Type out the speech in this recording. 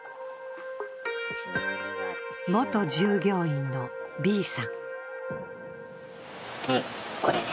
元従業員のＢさん。